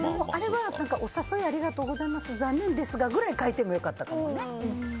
お誘いありがとうございます残念ですがくらい書いてもよかったかもね。